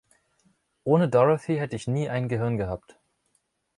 Ohne Dorothy hätte ich nie ein Gehirn gehabt.